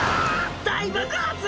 大爆発！